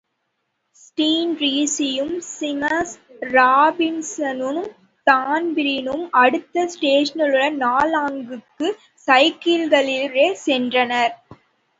ஸீன்டிரீஸியும், ஸிமஸ் ராபின்ஸனும், தான்பிரீனும், அடுத்த ஸ்டேஷனுன நாக்லாங்குக்கு சைக்கிள்களிற் சென்றனர்.